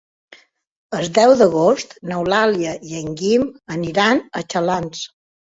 El deu d'agost n'Eulàlia i en Guim aniran a Xalans.